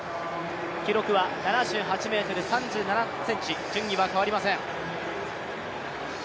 記録は７８ｍ３７ｃｍ、順位は変わりません。